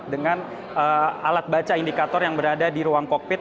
dengan alat baca indikator yang berada di ruang kokpit